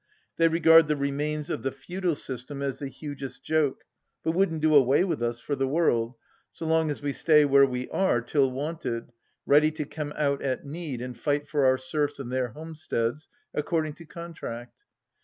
They regard the remains of the feudal system as the hugest joke, but wouldn't do away with us for the world, so long as we stay where we are till wanted, ready to come out at need and fight for our serfs and their homesteads, according to contract.